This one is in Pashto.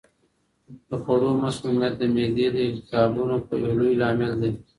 د خوړو مسمومیت د معدې د التهابونو یو لوی لامل دی.